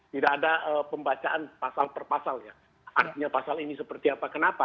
tidak ada pembacaan pasal per pasal ya artinya pasal ini seperti apa kenapa